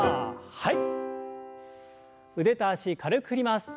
はい。